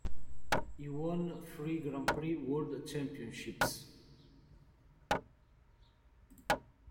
He won three Grand Prix World Championships.